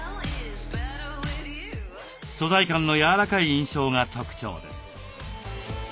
素材感の柔らかい印象が特徴です。